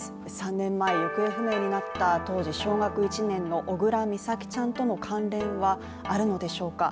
３年前、行方不明になった、当時小学１年の小倉美咲ちゃんとの関連はあるのでしょうか。